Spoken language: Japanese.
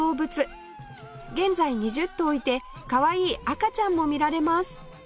現在２０頭いてかわいい赤ちゃんも見られます